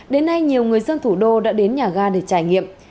đến nay nhiều người dân thủ đô đã đến nhà ga để trải nghiệm